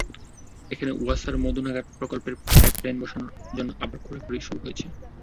এখন ওয়াসার মদুনাঘাট প্রকল্পের পাইপলাইন বসানোর জন্য আবার খোঁড়াখুঁড়ি শুরু হয়েছে।